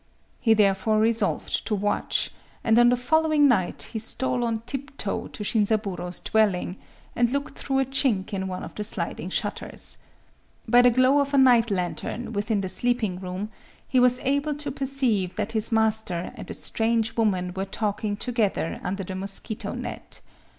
He therefore resolved to watch; and on the following night he stole on tiptoe to Shinzaburō's dwelling, and looked through a chink in one of the sliding shutters. By the glow of a night lantern within the sleeping room, he was able to perceive that his master and a strange woman were talking together under the mosquito net.